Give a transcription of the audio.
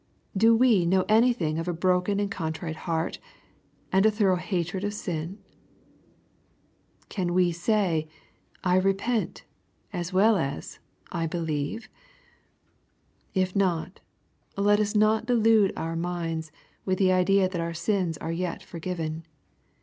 Do we know anything of a broken and contrite heart, and a thorough hatred of sin ? Can we say, " I repent," as well as " I believe ?" If not, let us not delude our minds with the idea that our sins are yet forgiven.